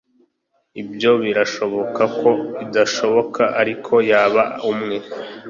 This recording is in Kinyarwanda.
ibyo "birashoboka ko bidashoboka," ariko yaba umwe